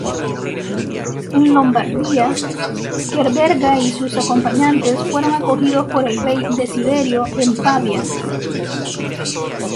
En Lombardía, Gerberga y sus acompañantes fueron acogidos por el rey Desiderio en Pavía.